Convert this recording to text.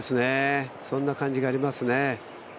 そんな感じがありますね。